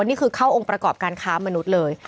นี่คือเข้าองค์ประกอบการค้ามนุษย์เลย